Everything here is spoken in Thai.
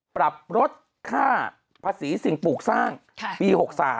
ปรับลดค่าภาษีสิ่งปลูกสร้างปี๖๓